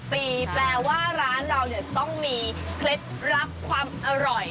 ปีแปลว่าร้านเราเนี่ยจะต้องมีเคล็ดลับความอร่อย